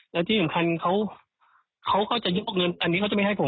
แล้วที่สำคัญเขาก็จะยกเงินอันนี้เขาจะไม่ให้ผม